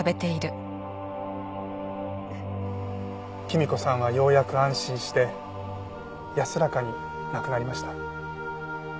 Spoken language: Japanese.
きみ子さんはようやく安心して安らかに亡くなりました。